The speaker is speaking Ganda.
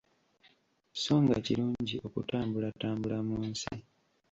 So nga kirungi okutambulatambula mu nsi.